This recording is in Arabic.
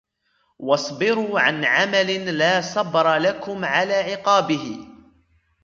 وَاصْبِرُوا عَنْ عَمَلٍ لَا صَبْرَ لَكُمْ عَلَى عِقَابِهِ